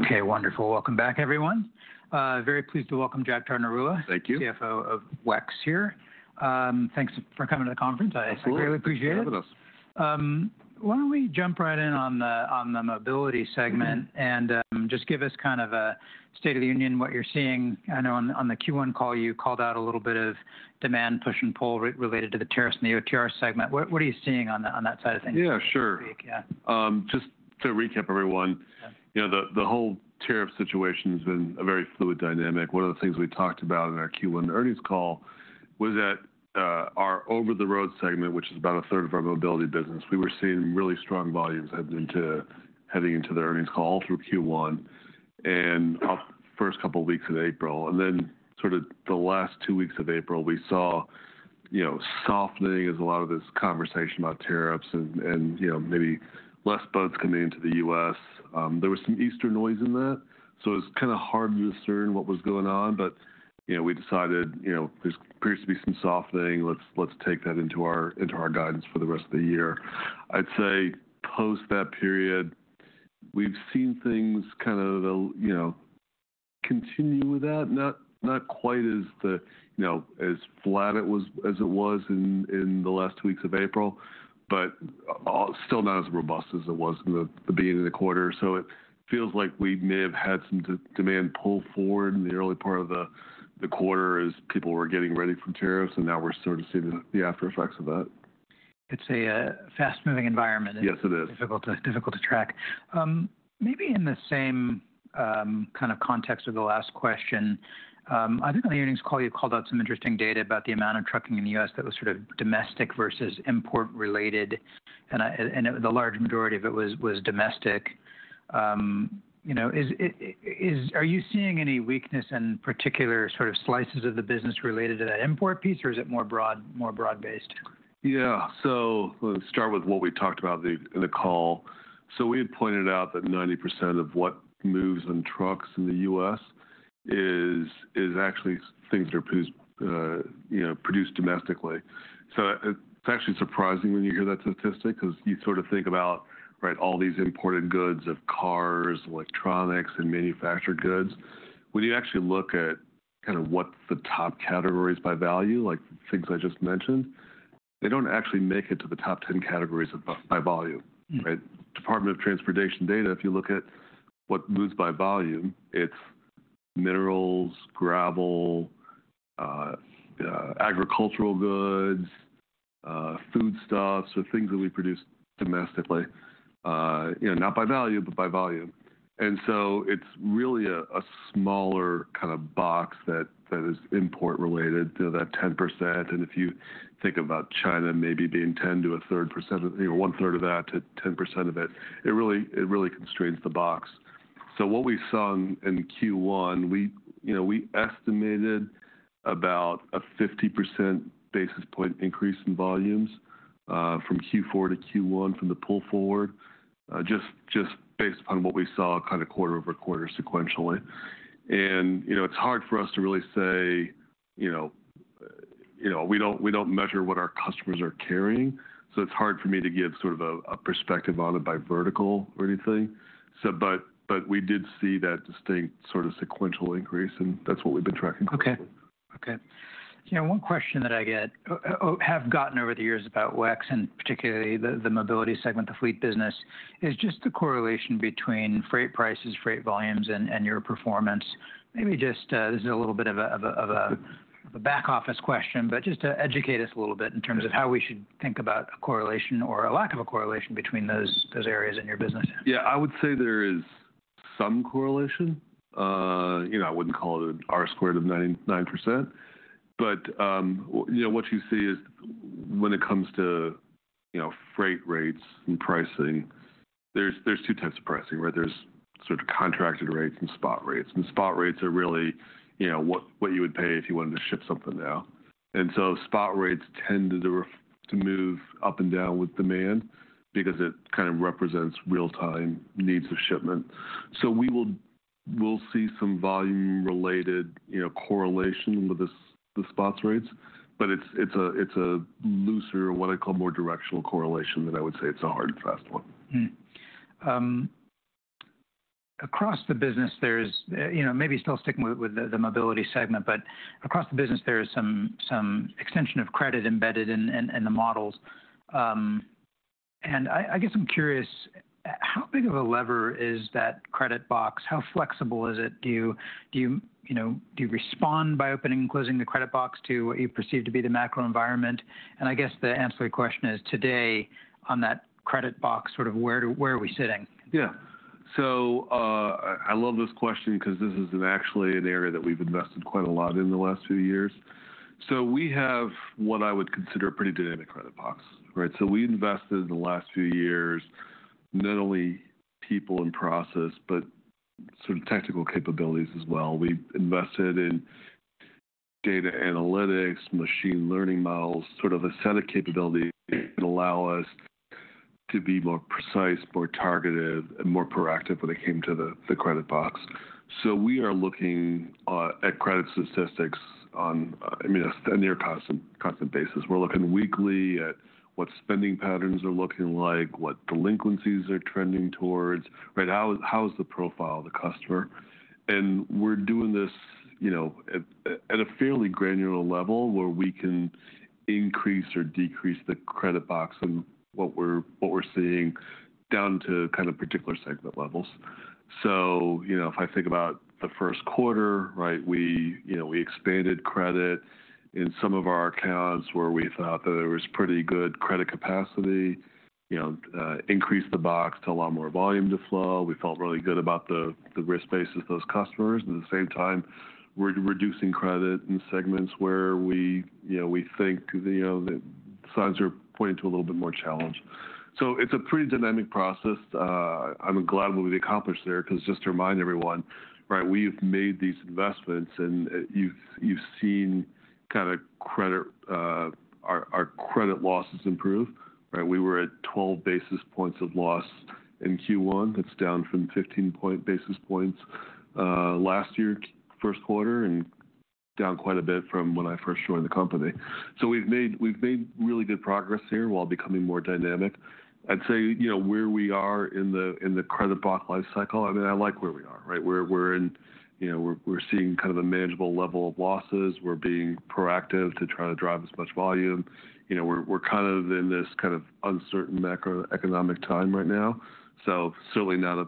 Okay, wonderful. Welcome back, everyone. Very pleased to welcome Jagtar Narula. Thank you. CFO of WEX here. Thanks for coming to the conference. I really appreciate it. Thanks for having us. Why don't we jump right in on the mobility segment and just give us kind of a state of the union, what you're seeing? I know on the Q1 call, you called out a little bit of demand push-and-pull related to the tariffs and the OTR segment. What are you seeing on that side of things? Yeah, sure. Just to recap, everyone, you know the whole tariff situation has been a very fluid dynamic. One of the things we talked about in our Q1 earnings call was that our over-the-road segment, which is about a third of our mobility business, we were seeing really strong volumes heading into the earnings call all through Q1 and the first couple of weeks of April. Then sort of the last two weeks of April, we saw, you know, softening as a lot of this conversation about tariffs and, you know, maybe less boats coming into the U.S. There was some Eastern noise in that, so it was kind of hard to discern what was going on. But, you know, we decided, you know, there appears to be some softening. Let's take that into our guidance for the rest of the year. I'd say post that period, we've seen things kind of, you know, continue with that, not quite as, you know, as flat as it was in the last weeks of April, but still not as robust as it was in the beginning of the quarter. It feels like we may have had some demand pull forward in the early part of the quarter as people were getting ready for tariffs, and now we're sort of seeing the aftereffects of that. It's a fast-moving environment. Yes, it is. Difficult to track. Maybe in the same kind of context of the last question, I think on the earnings call, you called out some interesting data about the amount of trucking in the U.S. that was sort of domestic versus import-related, and the large majority of it was domestic. You know, are you seeing any weakness in particular sort of slices of the business related to that import piece, or is it more broad-based? Yeah, so let's start with what we talked about in the call. We had pointed out that 90% of what moves in trucks in the U.S. is actually things that are produced domestically. It's actually surprising when you hear that statistic because you sort of think about, right, all these imported goods of cars, electronics, and manufactured goods. When you actually look at kind of what the top categories by value, like things I just mentioned, they don't actually make it to the top 10 categories by volume. Right? Department of Transportation data, if you look at what moves by volume, it's minerals, gravel, agricultural goods, foodstuffs, so things that we produce domestically, you know, not by value, but by volume. It's really a smaller kind of box that is import-related, you know, that 10%. If you think about China maybe being 10% to a third percent, you know, one third of that to 10% of it, it really constrains the box. What we saw in Q1, we estimated about a 50 basis point increase in volumes from Q4 to Q1 from the pull forward, just based upon what we saw kind of quarter over quarter sequentially. You know, it's hard for us to really say, you know, we don't measure what our customers are carrying, so it's hard for me to give sort of a perspective on it by vertical or anything. We did see that distinct sort of sequential increase, and that's what we've been tracking closely. Okay. Okay. You know, one question that I have gotten over the years about WEX and particularly the mobility segment, the fleet business, is just the correlation between freight prices, freight volumes, and your performance. Maybe just, this is a little bit of a back office question, but just to educate us a little bit in terms of how we should think about a correlation or a lack of a correlation between those areas in your business. Yeah, I would say there is some correlation. You know, I wouldn't call it an R-squared of 9%, but, you know, what you see is when it comes to, you know, freight rates and pricing, there's two types of pricing, right? There's sort of contracted rates and spot rates. Spot rates are really, you know, what you would pay if you wanted to ship something now. Spot rates tend to move up and down with demand because it kind of represents real-time needs of shipment. We will see some volume-related, you know, correlation with the spot rates, but it's a looser, what I call more directional correlation than I would say it's a hard and fast one. Across the business, there's, you know, maybe still sticking with the mobility segment, but across the business, there is some extension of credit embedded in the models. I guess I'm curious, how big of a lever is that credit box? How flexible is it? Do you, you know, do you respond by opening and closing the credit box to what you perceive to be the macro environment? I guess the answer to your question is today on that credit box, sort of where are we sitting? Yeah. I love this question because this is actually an area that we've invested quite a lot in the last few years. We have what I would consider a pretty dynamic credit box, right? We invested in the last few years not only people and process, but sort of technical capabilities as well. We invested in data analytics, machine learning models, sort of a set of capabilities that allow us to be more precise, more targeted, and more proactive when it came to the credit box. We are looking at credit statistics on, I mean, a near constant basis. We're looking weekly at what spending patterns are looking like, what delinquencies they're trending towards, right? How is the profile of the customer? We're doing this, you know, at a fairly granular level where we can increase or decrease the credit box and what we're seeing down to kind of particular segment levels. If I think about the first quarter, right, we, you know, we expanded credit in some of our accounts where we thought that there was pretty good credit capacity, you know, increased the box to allow more volume to flow. We felt really good about the risk basis of those customers. At the same time, we're reducing credit in segments where we, you know, we think, you know, the signs are pointing to a little bit more challenge. It's a pretty dynamic process. I'm glad we accomplished there because just to remind everyone, right, we've made these investments and you've seen kind of our credit losses improve, right? We were at 12 basis points of loss in Q1. It's down from 15 points, basis points last year, first quarter, and down quite a bit from when I first joined the company. So we've made really good progress here while becoming more dynamic. I'd say, you know, where we are in the credit box life cycle, I mean, I like where we are, right? We're in, you know, we're seeing kind of a manageable level of losses. We're being proactive to try to drive as much volume. You know, we're kind of in this kind of uncertain macroeconomic time right now. So certainly not a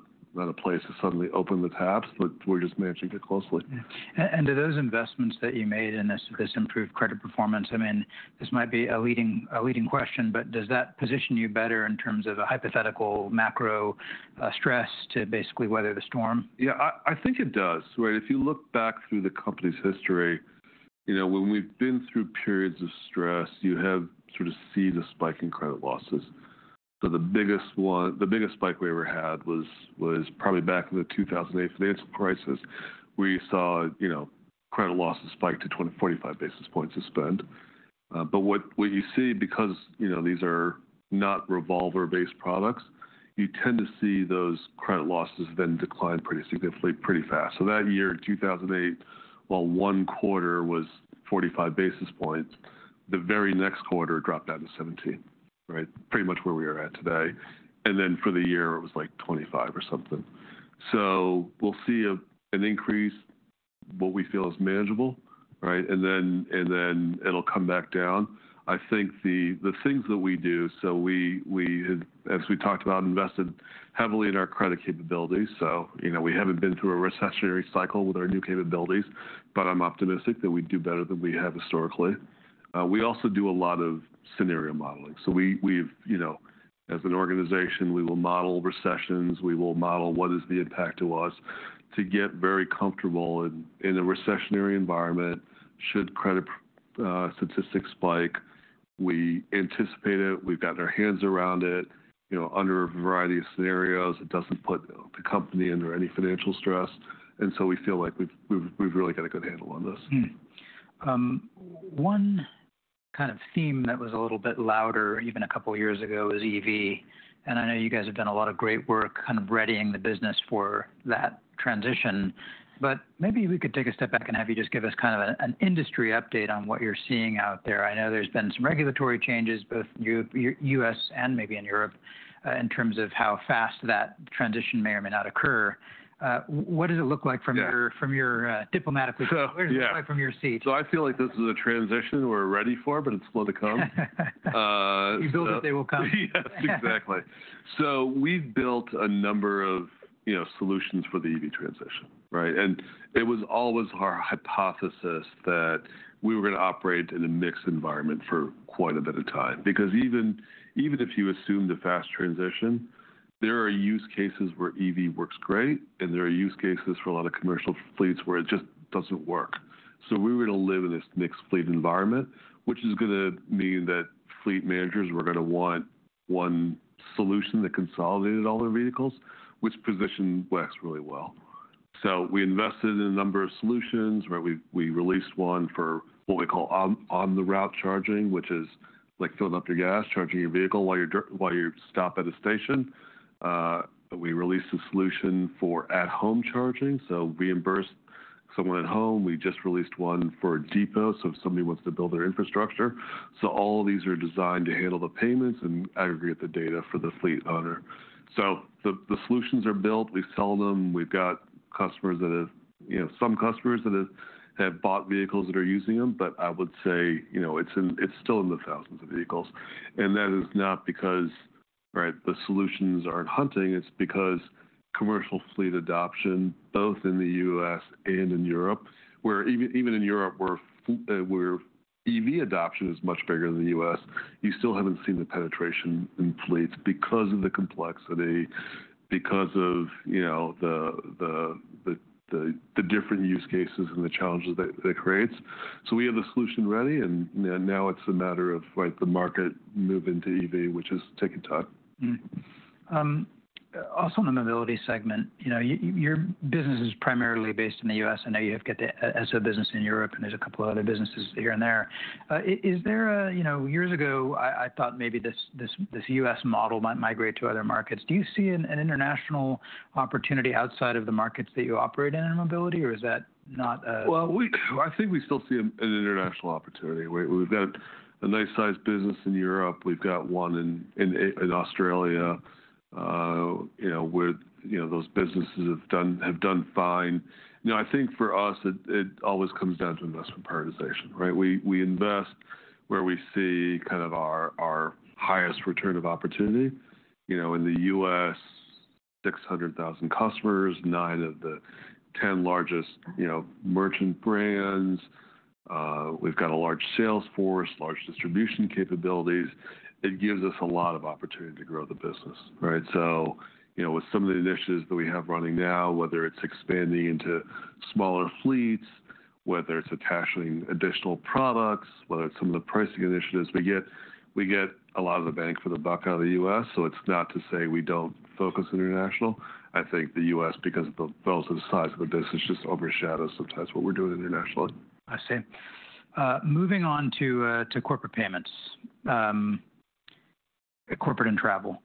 place to suddenly open the taps, but we're just managing it closely. Do those investments that you made in this improved credit performance, I mean, this might be a leading question, but does that position you better in terms of a hypothetical macro stress to basically weather the storm? Yeah, I think it does, right? If you look back through the company's history, you know, when we've been through periods of stress, you have sort of seen a spike in credit losses. The biggest spike we ever had was probably back in the 2008 financial crisis, where you saw, you know, credit losses spike to 20-45 basis points of spend. What you see, because, you know, these are not revolver-based products, you tend to see those credit losses then decline pretty significantly, pretty fast. That year, 2008, while one quarter was 45 basis points, the very next quarter dropped down to 17, right? Pretty much where we are at today. For the year, it was like 25 or something. We will see an increase, what we feel is manageable, right? It will come back down. I think the things that we do, so we, as we talked about, invested heavily in our credit capabilities. So, you know, we have not been through a recessionary cycle with our new capabilities, but I am optimistic that we do better than we have historically. We also do a lot of scenario modeling. So we have, you know, as an organization, we will model recessions, we will model what is the impact to us to get very comfortable in a recessionary environment. Should credit statistics spike, we anticipate it, we have gotten our hands around it, you know, under a variety of scenarios, it does not put the company under any financial stress. And we feel like we have really got a good handle on this. One kind of theme that was a little bit louder even a couple of years ago is EV. I know you guys have done a lot of great work kind of readying the business for that transition, but maybe we could take a step back and have you just give us kind of an industry update on what you're seeing out there. I know there's been some regulatory changes, both in the U.S. and maybe in Europe, in terms of how fast that transition may or may not occur. What does it look like from your seat? What does it look like from your seat? I feel like this is a transition we're ready for, but it's slow to come. You build it, they will come. Yes, exactly. We've built a number of, you know, solutions for the EV transition, right? It was always our hypothesis that we were going to operate in a mixed environment for quite a bit of time. Because even if you assume the fast transition, there are use cases where EV works great, and there are use cases for a lot of commercial fleets where it just does not work. We were going to live in this mixed fleet environment, which is going to mean that fleet managers were going to want one solution that consolidated all their vehicles, which positioned WEX really well. We invested in a number of solutions, right? We released one for what we call on-the-route charging, which is like filling up your gas, charging your vehicle while you stop at a station. We released a solution for at-home charging, so reimburse someone at home. We just released one for a depot, so if somebody wants to build their infrastructure. All of these are designed to handle the payments and aggregate the data for the fleet owner. The solutions are built, we sell them, we've got customers that have, you know, some customers that have bought vehicles that are using them, but I would say, you know, it's still in the thousands of vehicles. That is not because, right, the solutions aren't hunting, it's because commercial fleet adoption, both in the U.S. and in Europe, where even in Europe, where EV adoption is much bigger than the U.S., you still haven't seen the penetration in fleets because of the complexity, because of, you know, the different use cases and the challenges that it creates. We have the solution ready and now it's a matter of, right, the market moving to EV, which is taking time. Also on the mobility segment, you know, your business is primarily based in the U.S. I know you have a business in Europe and there's a couple of other businesses here and there. Is there, you know, years ago I thought maybe this U.S. model might migrate to other markets. Do you see an international opportunity outside of the markets that you operate in in mobility, or is that not a? I think we still see an international opportunity. We've got a nice size business in Europe, we've got one in Australia, you know, where those businesses have done fine. You know, I think for us, it always comes down to investment prioritization, right? We invest where we see kind of our highest return of opportunity. You know, in the U.S., 600,000 customers, nine of the 10 largest, you know, merchant brands. We've got a large sales force, large distribution capabilities. It gives us a lot of opportunity to grow the business, right? You know, with some of the initiatives that we have running now, whether it's expanding into smaller fleets, whether it's attaching additional products, whether it's some of the pricing initiatives, we get a lot of the bang for the buck out of the U.S. It's not to say we don't focus international. I think the U.S., because of the relative size of the business, just overshadows sometimes what we're doing internationally. I see. Moving on to corporate payments, corporate and travel.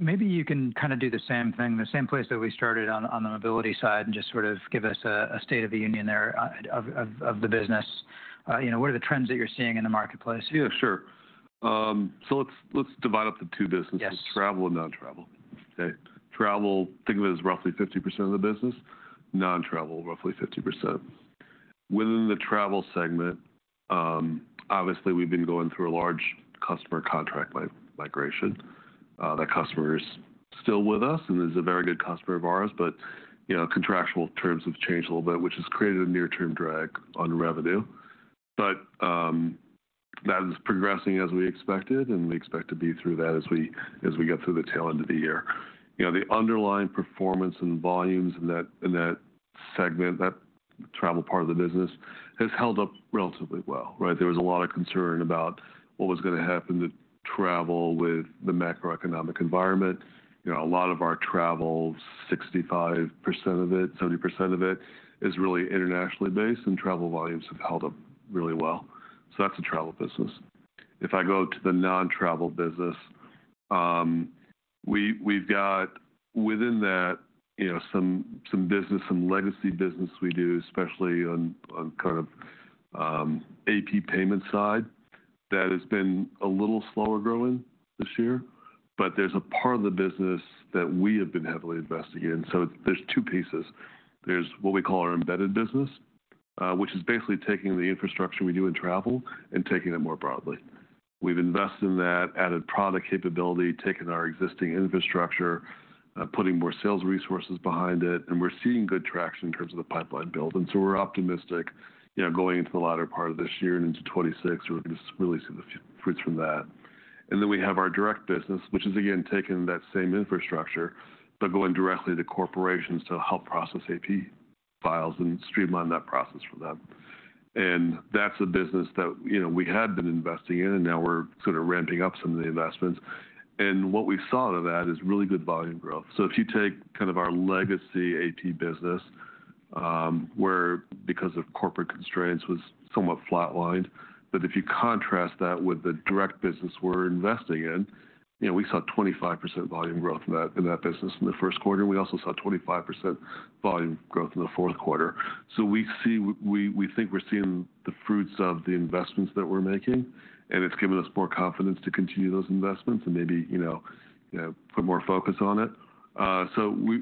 Maybe you can kind of do the same thing, the same place that we started on the mobility side and just sort of give us a state of the union there of the business. You know, what are the trends that you're seeing in the marketplace? Yeah, sure. Let's divide up the two businesses, travel and non-travel. Travel, think of it as roughly 50% of the business, non-travel roughly 50%. Within the travel segment, obviously, we've been going through a large customer contract migration. That customer is still with us and is a very good customer of ours, but, you know, contractual terms have changed a little bit, which has created a near-term drag on revenue. That is progressing as we expected and we expect to be through that as we get through the tail end of the year. You know, the underlying performance and volumes in that segment, that travel part of the business, has held up relatively well, right? There was a lot of concern about what was going to happen to travel with the macroeconomic environment. You know, a lot of our travel, 65% of it, 70% of it, is really internationally based and travel volumes have held up really well. That is a travel business. If I go to the non-travel business, we have within that, you know, some business, some legacy business we do, especially on kind of AP payment side, that has been a little slower growing this year, but there is a part of the business that we have been heavily investing in. There are two pieces. There is what we call our embedded business, which is basically taking the infrastructure we do in travel and taking it more broadly. We have invested in that, added product capability, taken our existing infrastructure, putting more sales resources behind it, and we are seeing good traction in terms of the pipeline build. We're optimistic, you know, going into the latter part of this year and into 2026, we're going to really see the fruits from that. We have our direct business, which is again taking that same infrastructure, but going directly to corporations to help process AP files and streamline that process for them. That's a business that, you know, we had been investing in and now we're sort of ramping up some of the investments. What we saw out of that is really good volume growth. If you take kind of our legacy AP business, where because of corporate constraints was somewhat flatlined, but if you contrast that with the direct business we're investing in, you know, we saw 25% volume growth in that business in the first quarter and we also saw 25% volume growth in the fourth quarter. We see, we think we're seeing the fruits of the investments that we're making and it's given us more confidence to continue those investments and maybe, you know, put more focus on it.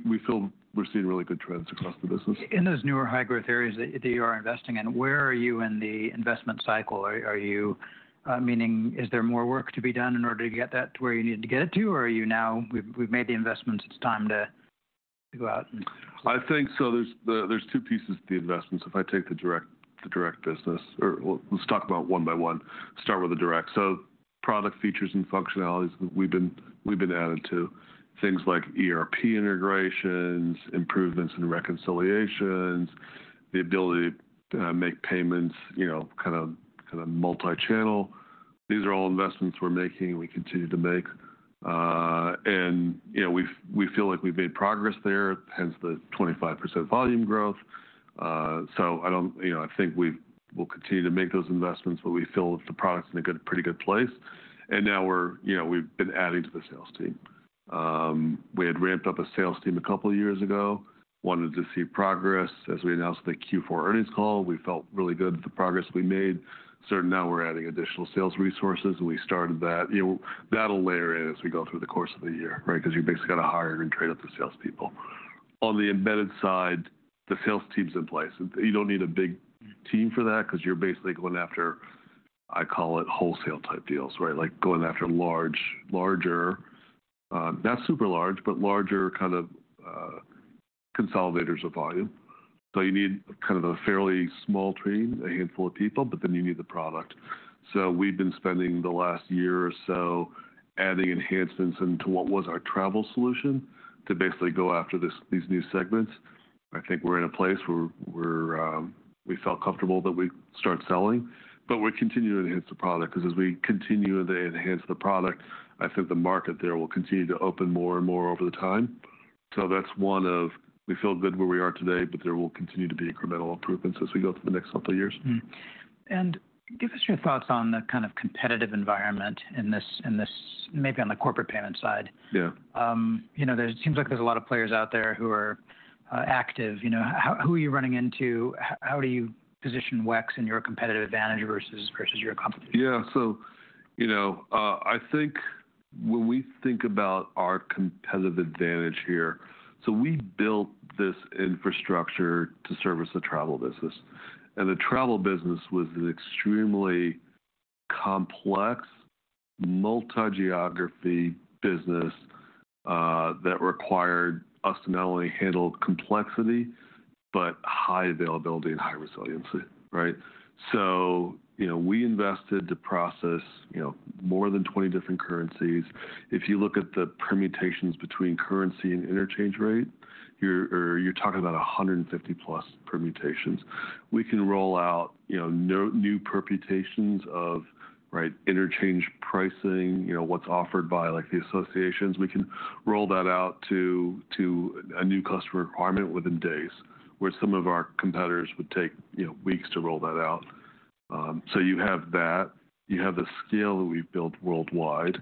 We feel we're seeing really good trends across the business. In those newer high-growth areas that you are investing in, where are you in the investment cycle? Are you, meaning, is there more work to be done in order to get that to where you need to get it to, or are you now, we've made the investments, it's time to go out? I think so. There are two pieces to the investments. If I take the direct business, or let's talk about one by one, start with the direct. Product features and functionalities that we've been adding to, things like ERP integrations, improvements in reconciliations, the ability to make payments, you know, kind of multi-channel. These are all investments we're making and we continue to make. You know, we feel like we've made progress there, hence the 25% volume growth. I think we'll continue to make those investments, but we feel the product's in a pretty good place. Now we're, you know, we've been adding to the sales team. We had ramped up a sales team a couple of years ago, wanted to see progress. As we announced on the Q4 earnings call, we felt really good about the progress we made. Now we're adding additional sales resources and we started that. You know, that'll layer in as we go through the course of the year, right? Because you basically got to hire and train up the salespeople. On the embedded side, the sales team's in place. You don't need a big team for that because you're basically going after, I call it wholesale type deals, right? Like going after large, larger, not super large, but larger kind of consolidators of volume. You need kind of a fairly small team, a handful of people, but then you need the product. We've been spending the last year or so adding enhancements into what was our travel solution to basically go after these new segments. I think we're in a place where we felt comfortable that we start selling, but we're continuing to enhance the product. Because as we continue to enhance the product, I think the market there will continue to open more and more over time. That is one of, we feel good where we are today, but there will continue to be incremental improvements as we go through the next couple of years. Give us your thoughts on the kind of competitive environment in this, maybe on the corporate payment side. Yeah. You know, it seems like there's a lot of players out there who are active. You know, who are you running into? How do you position WEX in your competitive advantage versus your competition? Yeah. So, you know, I think when we think about our competitive advantage here, we built this infrastructure to service the travel business. The travel business was an extremely complex, multi-geography business that required us to not only handle complexity, but high availability and high resiliency, right? So, you know, we invested to process more than 20 different currencies. If you look at the permutations between currency and interchange rate, you're talking about 150 plus permutations. We can roll out new permutations of, right, interchange pricing, you know, what's offered by like the associations. We can roll that out to a new customer requirement within days, where some of our competitors would take weeks to roll that out. You have that, you have the scale that we've built worldwide,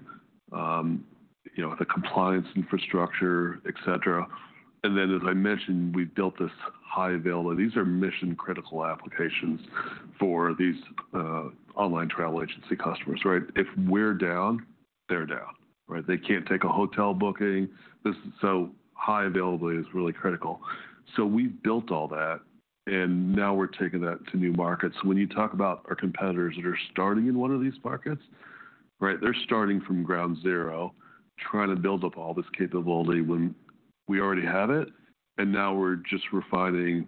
the compliance infrastructure, et cetera. As I mentioned, we've built this high availability. These are mission-critical applications for these online travel agency customers, right? If we're down, they're down, right? They can't take a hotel booking. High availability is really critical. We've built all that and now we're taking that to new markets. When you talk about our competitors that are starting in one of these markets, right, they're starting from ground zero, trying to build up all this capability when we already have it, and now we're just refining,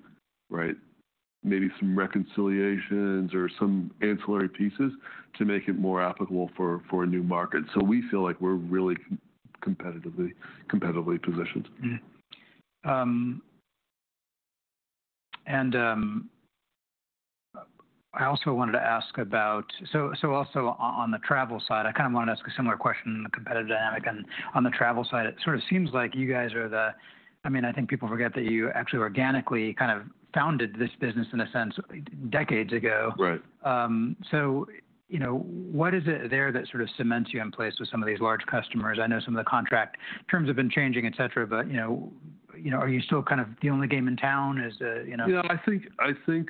maybe some reconciliations or some ancillary pieces to make it more applicable for a new market. We feel like we're really competitively positioned. I also wanted to ask about, also on the travel side, I kind of wanted to ask a similar question on the competitive dynamic. On the travel side, it sort of seems like you guys are the, I mean, I think people forget that you actually organically kind of founded this business in a sense decades ago. Right. You know, what is it there that sort of cements you in place with some of these large customers? I know some of the contract terms have been changing, et cetera, but, you know, are you still kind of the only game in town? Yeah, I think,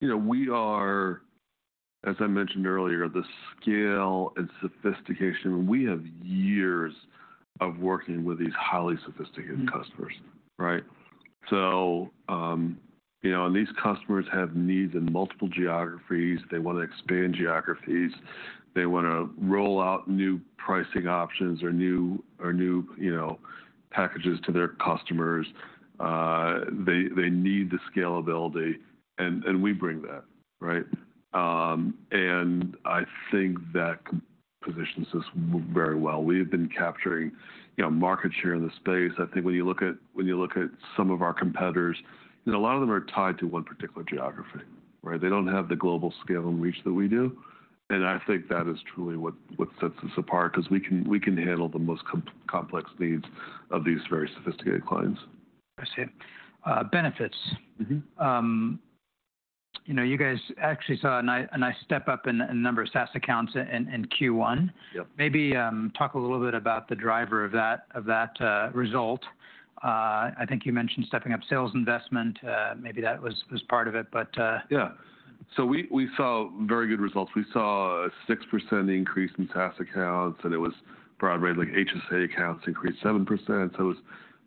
you know, we are, as I mentioned earlier, the scale and sophistication, we have years of working with these highly sophisticated customers, right? So, you know, and these customers have needs in multiple geographies, they want to expand geographies, they want to roll out new pricing options or new, you know, packages to their customers. They need the scalability and we bring that, right? I think that positions us very well. We have been capturing, you know, market share in the space. I think when you look at some of our competitors, you know, a lot of them are tied to one particular geography, right? They do not have the global scale and reach that we do. I think that is truly what sets us apart because we can handle the most complex needs of these very sophisticated clients. I see. Benefits. You know, you guys actually saw a nice step up in the number of SaaS accounts in Q1. Maybe talk a little bit about the driver of that result. I think you mentioned stepping up sales investment, maybe that was part of it, but. Yeah. So we saw very good results. We saw a 6% increase in SaaS accounts and it was broad-based, like HSA accounts increased 7%. It was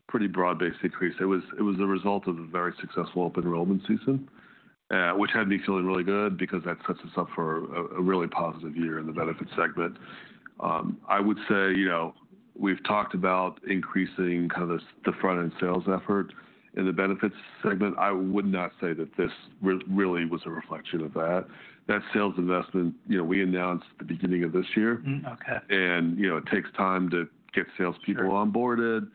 a pretty broad-based increase. It was a result of a very successful open enrollment season, which had me feeling really good because that sets us up for a really positive year in the benefits segment. I would say, you know, we've talked about increasing kind of the front-end sales effort in the benefits segment. I would not say that this really was a reflection of that. That sales investment, you know, we announced at the beginning of this year. You know, it takes time to get salespeople onboarded,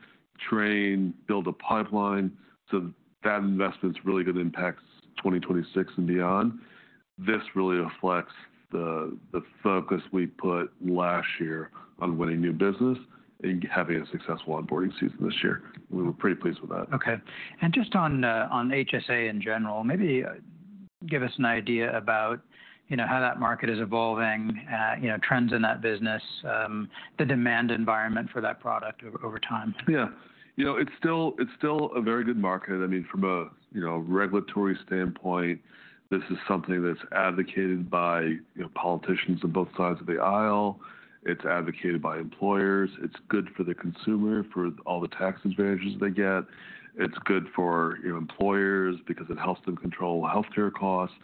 trained, build a pipeline. That investment's really going to impact 2026 and beyond. This really reflects the focus we put last year on winning new business and having a successful onboarding season this year. We were pretty pleased with that. Okay. Just on HSA in general, maybe give us an idea about, you know, how that market is evolving, you know, trends in that business, the demand environment for that product over time. Yeah. You know, it's still a very good market. I mean, from a, you know, regulatory standpoint, this is something that's advocated by, you know, politicians on both sides of the aisle. It's advocated by employers. It's good for the consumer for all the tax advantages they get. It's good for, you know, employers because it helps them control healthcare costs.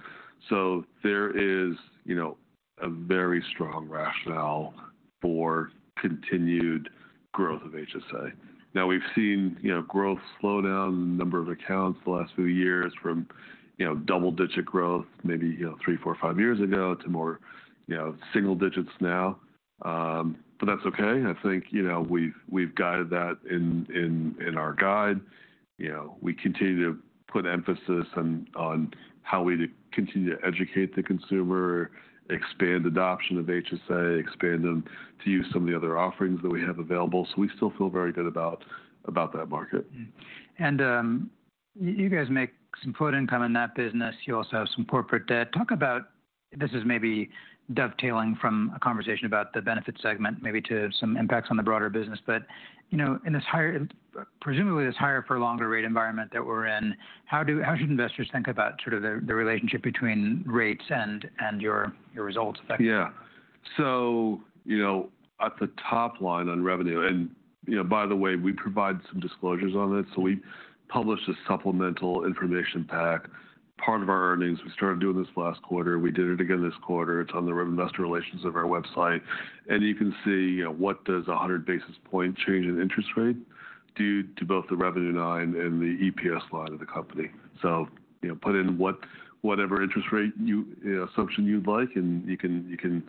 There is, you know, a very strong rationale for continued growth of HSA. Now we've seen, you know, growth slow down in the number of accounts the last few years from, you know, double-digit growth maybe, you know, three, four, five years ago to more, you know, single digits now. That's okay. I think, you know, we've guided that in our guide. You know, we continue to put emphasis on how we continue to educate the consumer, expand adoption of HSA, expand them to use some of the other offerings that we have available. We still feel very good about that market. You guys make some foot income in that business. You also have some corporate debt. Talk about, this is maybe dovetailing from a conversation about the benefit segment, maybe to some impacts on the broader business, but, you know, in this higher, presumably this higher for longer rate environment that we're in, how should investors think about sort of the relationship between rates and your results? Yeah. So, you know, at the top line on revenue, and, you know, by the way, we provide some disclosures on it. We published a supplemental information pack. Part of our earnings, we started doing this last quarter. We did it again this quarter. It's on the WEX Investor Relations of our website. You can see, you know, what does a 100 basis point change in interest rate do to both the revenue line and the EPS line of the company. So, you know, put in whatever interest rate assumption you'd like and you can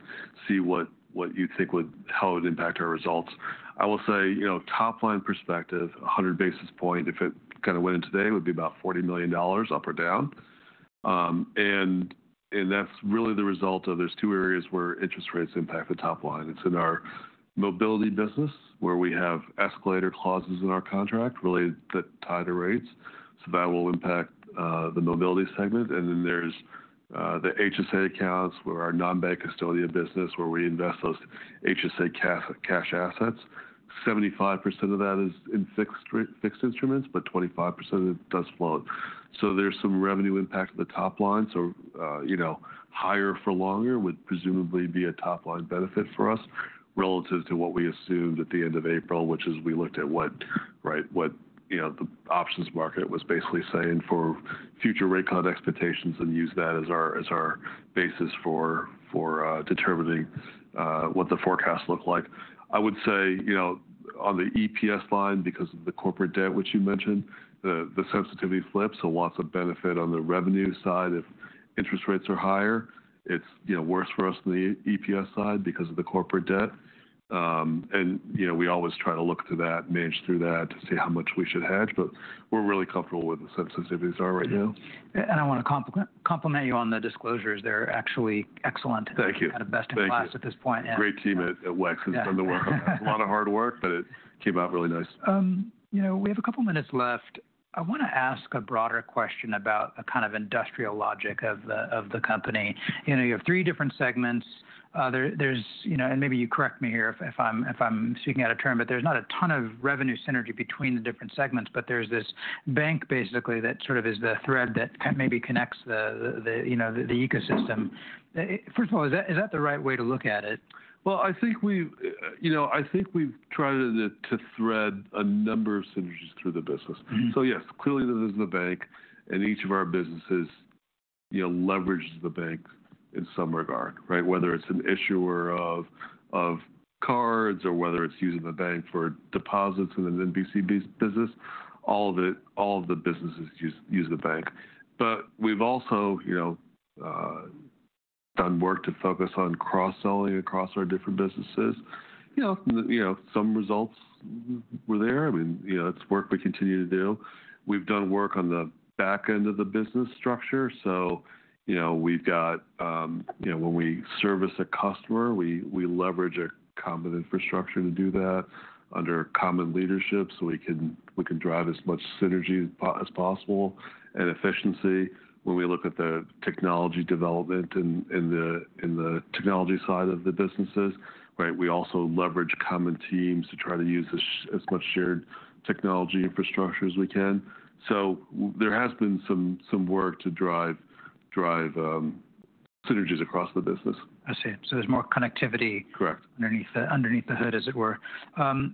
see what you think would, how it would impact our results. I will say, you know, top line perspective, a 100 basis point, if it kind of went in today, would be about $40 million up or down. That is really the result of there are two areas where interest rates impact the top line. It is in our mobility business where we have escalator clauses in our contract that tie to rates. That will impact the mobility segment. Then there are the HSA accounts, our non-bank custodial business where we invest those HSA cash assets. 75% of that is in fixed instruments, but 25% of it does float. There is some revenue impact to the top line. You know, higher for longer would presumably be a top line benefit for us relative to what we assumed at the end of April, which is we looked at what, right, what, you know, the options market was basically saying for future rate cut expectations and used that as our basis for determining what the forecast looked like. I would say, you know, on the EPS line because of the corporate debt, which you mentioned, the sensitivity flips. Lots of benefit on the revenue side if interest rates are higher. It's, you know, worse for us on the EPS side because of the corporate debt. You know, we always try to look to that, manage through that to see how much we should hedge, but we're really comfortable with where the sensitivities are right now. I want to compliment you on the disclosures. They're actually excellent. Thank you. Kind of best in class at this point. Thank you. Great team at WEX has done the work. A lot of hard work, but it came out really nice. You know, we have a couple of minutes left. I want to ask a broader question about the kind of industrial logic of the company. You know, you have three different segments. There's, you know, and maybe you correct me here if I'm speaking out of turn, but there's not a ton of revenue synergy between the different segments, but there's this bank basically that sort of is the thread that maybe connects the, you know, the ecosystem. First of all, is that the right way to look at it? I think we, you know, I think we've tried to thread a number of synergies through the business. Yes, clearly there's the bank and each of our businesses, you know, leverages the bank in some regard, right? Whether it's an issuer of cards or whether it's using the bank for deposits and then NBC business, all of the businesses use the bank. We've also, you know, done work to focus on cross-selling across our different businesses. You know, some results were there. I mean, you know, it's work we continue to do. We've done work on the back end of the business structure. You know, we've got, you know, when we service a customer, we leverage a common infrastructure to do that under common leadership so we can drive as much synergy as possible and efficiency. When we look at the technology development in the technology side of the businesses, right, we also leverage common teams to try to use as much shared technology infrastructure as we can. There has been some work to drive synergies across the business. I see. There's more connectivity. Correct. Underneath the hood, as it were.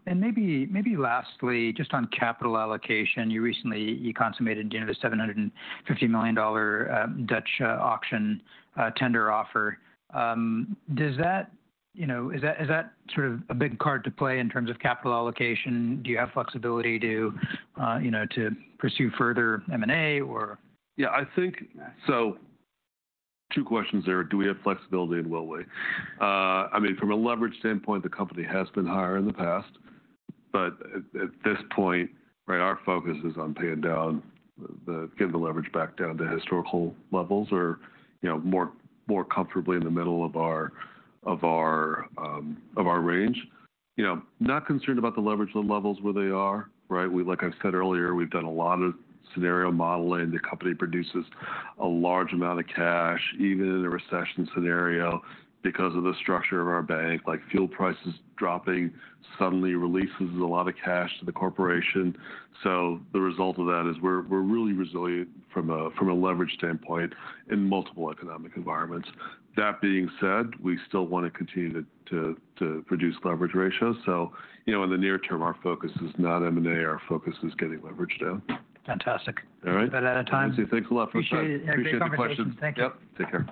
Maybe lastly, just on capital allocation, you recently consummated, you know, the $750 million Dutch auction tender offer. Does that, you know, is that sort of a big card to play in terms of capital allocation? Do you have flexibility to, you know, to pursue further M&A or? Yeah, I think, so, two questions there. Do we have flexibility and will we? I mean, from a leverage standpoint, the company has been higher in the past, but at this point, right, our focus is on paying down, getting the leverage back down to historical levels or, you know, more comfortably in the middle of our range. You know, not concerned about the leverage levels where they are, right? Like I've said earlier, we've done a lot of scenario modeling. The company produces a large amount of cash even in a recession scenario because of the structure of our bank, like fuel prices dropping suddenly releases a lot of cash to the corporation. The result of that is we're really resilient from a leverage standpoint in multiple economic environments. That being said, we still want to continue to produce leverage ratios. You know, in the near term, our focus is not M&A. Our focus is getting leverage down. Fantastic. All right. Out of time. Thank you. Thanks a lot for the time. Appreciate it. Appreciate the questions. Thank you. Yep. Take care.